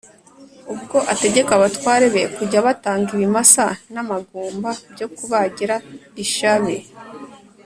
ubwo ategeka abatware be kujya batanga ibimasa n' amagumba byo kubagira lshabi.